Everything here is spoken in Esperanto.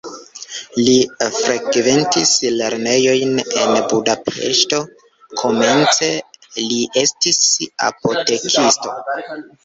Li frekventis lernejojn en Budapeŝto, komence li estis apotekisto.